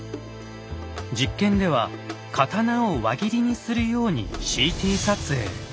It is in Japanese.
実験では刀を輪切りにするようにＣＴ撮影。